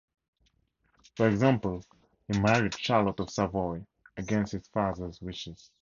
For example, he married Charlotte of Savoy against his father's wishes.